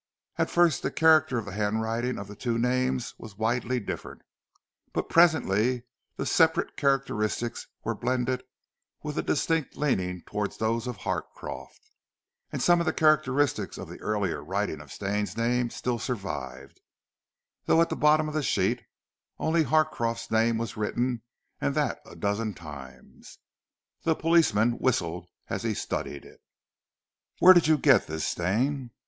At first the character of the handwriting of the two names was widely different, but presently the separate characteristics were blended with a distinct leaning towards those of Harcroft, though some of the characteristics of the earlier writing of Stane's name still survived, though at the bottom of the sheet only Harcroft's name was written, and that a dozen times. The policeman whistled as he studied it. "Where did you get this, Stane?"